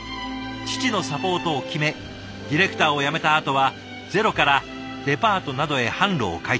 父のサポートを決めディレクターをやめたあとはゼロからデパートなどへ販路を開拓。